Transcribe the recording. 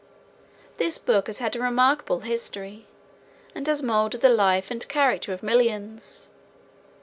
This book has had a remarkable history, and has moulded the life and character of millions.